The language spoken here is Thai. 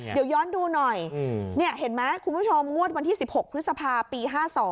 เดี๋ยวย้อนดูหน่อยเห็นไหมคุณผู้ชมงวดวันที่๑๖พฤษภาปี๕๒